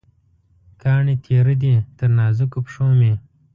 کاڼې تېره دي، تر نازکو پښومې